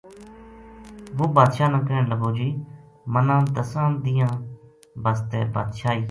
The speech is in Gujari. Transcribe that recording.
وہ بادشاہ نا کہن لگو جی منا دَساں دِیہنا ں بسطے بادشاہی